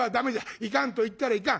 いかんと言ったらいかん。